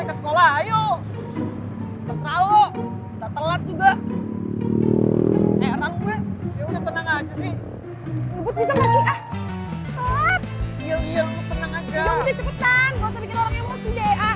udah udah cepetan gausah bikin orang emosi deh